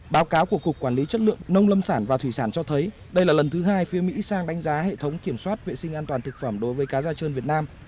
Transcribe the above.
báo cáo của cục quản lý chất lượng nông lâm sản và thủy sản cho thấy đây là lần thứ hai phía mỹ sang đánh giá hệ thống kiểm soát vệ sinh an toàn thực phẩm đối với cá da trơn việt nam